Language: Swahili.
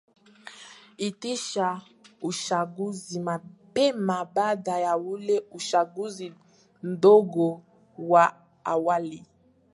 itisha uchaguzi mapema baada ya ule uchaguzi mdogo wa awali